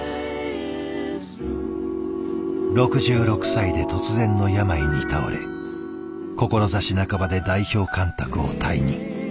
６６歳で突然の病に倒れ志半ばで代表監督を退任。